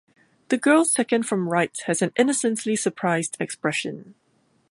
The girl second from right has an innocently surprised expression.